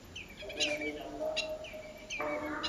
امي ائري ھر واتو مونو ھون